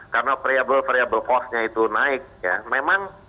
karena variable variable cost nya itu naik ya memang